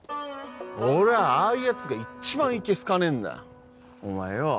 俺はああいうやつが一番いけすかねえんだお前よ